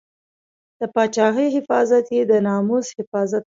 د پاچاهۍ حفاظت یې د ناموس حفاظت باله.